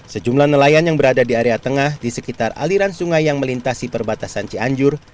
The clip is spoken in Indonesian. sejumlah nelayan yang berada di area tengah di sekitar aliran sungai yang melintasi perbatasan cianjur